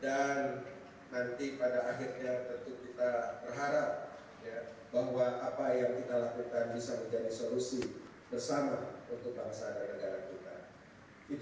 dan nanti pada akhirnya tentu kita berharap bahwa apa yang kita lakukan bisa menjadi solusi bersama untuk bangsa dan negara kita